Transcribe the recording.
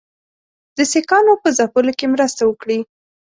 د سیکهانو په ځپلو کې مرسته وکړي.